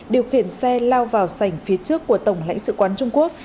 điều khiển xe lao vào sành phía trước của tổng lãnh sự quán trung quốc